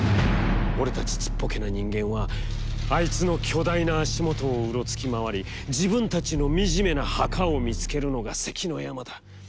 俺たちちっぽけな人間は、あいつの巨大な足もとをうろつきまわり、自分たちのみじめな墓を見つけるのが関の山だ。